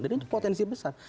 dan itu potensi besar